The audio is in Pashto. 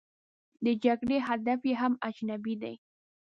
د جګړې هدف یې هم اجنبي دی.